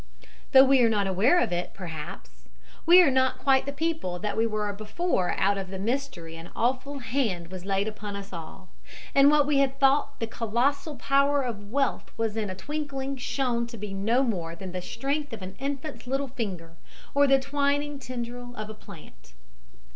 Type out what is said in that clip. Though we are not aware of it, perhaps, we are not quite the people that we were before out of the mystery an awful hand was laid upon us all, and what we had thought the colossal power of wealth was in a twinkling shown to be no more than the strength of an infant's little finger, or the twining tendril of a plant.